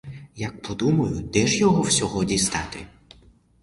Як подумаю, де ж його всього дістати?